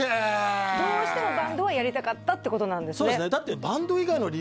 どうしてもバンドはやりたかったってことなんですね